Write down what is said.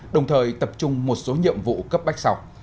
đồng thời tập trung một số nhiệm vụ cấp bách sau